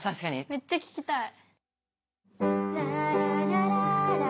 めっちゃききたい。